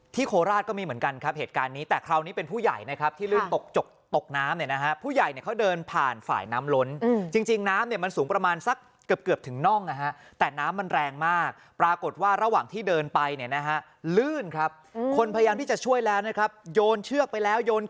โคราชก็มีเหมือนกันครับเหตุการณ์นี้แต่คราวนี้เป็นผู้ใหญ่นะครับที่ลื่นตกตกน้ำเนี่ยนะฮะผู้ใหญ่เนี่ยเขาเดินผ่านฝ่ายน้ำล้นจริงน้ำเนี่ยมันสูงประมาณสักเกือบเกือบถึงน่องนะฮะแต่น้ำมันแรงมากปรากฏว่าระหว่างที่เดินไปเนี่ยนะฮะลื่นครับคนพยายามที่จะช่วยแล้วนะครับโยนเชือกไปแล้วโยน